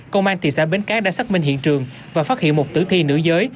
công an thị xã bến cát đã xác minh hiện trường và phát hiện một tử thi nữ giới